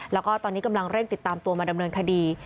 แล้วก็ตอนนี้กำลังเร่งติดตามตัวมาดำเนินคดี